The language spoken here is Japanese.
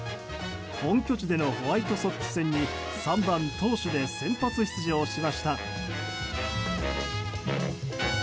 本拠地でのホワイトソックス戦に３番投手で先発出場しました。